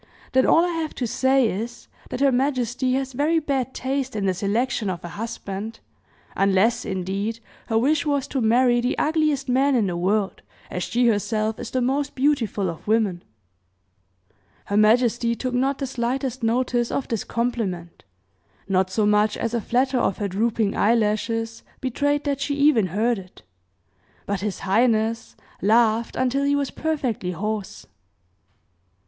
Then all I have to say, is, that her majesty has very bad taste in the selection of a husband, unless, indeed, her wish was to marry the ugliest man in the world, as she herself is the most beautiful of women!" Her majesty took not the slightest notice of this compliment, not so much as a flatter of her drooping eye lashes betrayed that she even heard it, but his highness laughed until he was perfectly hoarse.